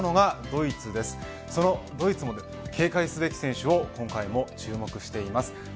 ドイツの警戒すべき選手を今回も注目しています。